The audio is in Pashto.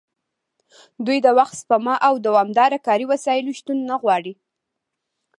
دوی د وخت سپما او دوامداره کاري وسایلو شتون نه غواړي